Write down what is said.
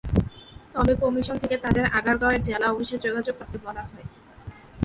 তবে কমিশন থেকে তাঁদের আগারগাঁওয়ের জেলা অফিসে যোগাযোগ করতে বলা হয়।